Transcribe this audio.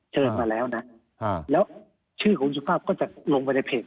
เชิญมาแล้วนะแล้วชื่อคุณสุภาพก็จะลงไปในเพจ